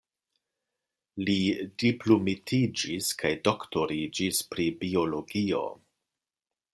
Li diplomitiĝis kaj doktoriĝis pri biologio.